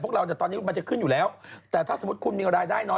เราเนี่ยตอนนี้มันจะขึ้นอยู่แล้วแต่ถ้าสมมุติคุณมีรายได้น้อย